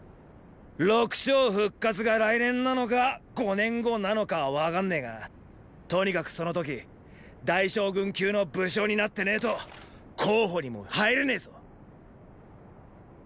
六将復活が来年なのか五年後なのか分かんねェがとにかくその時大将軍級の武将になってねェと候補にも入れねェぞ。